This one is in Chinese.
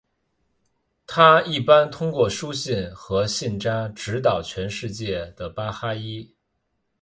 它一般通过书信和信札指导全世界的巴哈伊。